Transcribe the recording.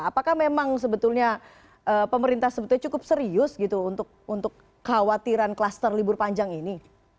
apakah memang sebetulnya pemerintah sebetulnya cukup serius gitu untuk kekhawatiran klaster libur panjang ini